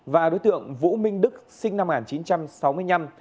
và đối tượng vũ minh đức sinh năm một nghìn chín trăm sáu mươi năm